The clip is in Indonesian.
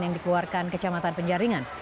yang dikeluarkan kecamatan penjaringan